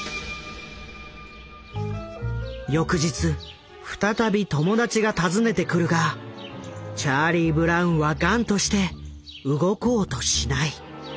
翌日再び友達が訪ねてくるがチャーリー・ブラウンは頑として動こうとしない。